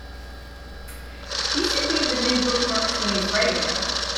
You should read the new book Mark Twain's writing now.